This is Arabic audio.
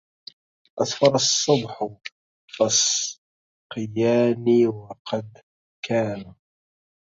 أسفر الصبح فاسقياني وقد كان